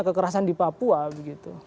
kekerasan di papua gitu